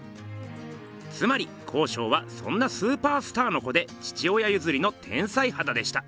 つまり康勝はそんなスーパースターの子で父親ゆずりの天才はだでした。